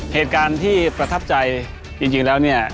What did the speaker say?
เหตุการณ์ที่ประทับใจจริงแล้วเนี่ย